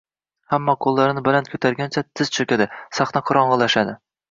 Hamma qo‘llarini baland ko‘targancha, tiz cho‘kadi. Sahna qorong‘ilashadi…